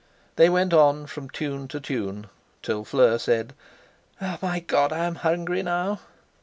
They went on from tune to tune, till Fleur said: "My God! I am hungry now!"